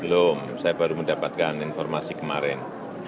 belum saya baru mendapatkan informasi kemarin